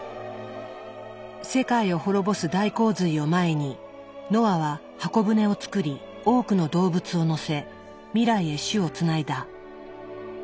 世界を滅ぼす大洪水を前にノアは方舟をつくり多くの動物を乗せ未来へ種をつないだ。